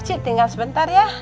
cik tinggal sebentar ya